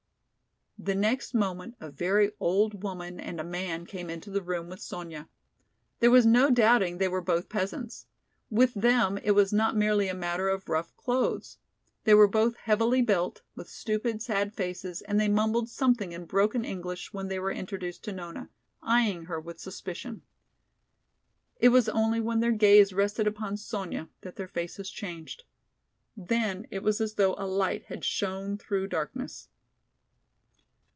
The next moment a very old woman and a man came into the room with Sonya. There was no doubting they were both peasants. With them it was not merely a matter of rough clothes. They were both heavily built, with stupid, sad faces and they mumbled something in broken English when they were introduced to Nona, eyeing her with suspicion. It was only when their gaze rested upon Sonya that their faces changed. Then it was as though a light had shone through darkness.